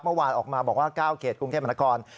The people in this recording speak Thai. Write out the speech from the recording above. เมื่อวานออกมาบอกว่าเก้าเกตกรุงเทพฯบรรณกร